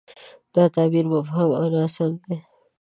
دا تعبیر مبهم او ناسم دی.